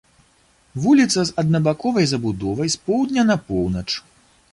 Вуліца з аднабаковай забудовай з поўдня на поўнач.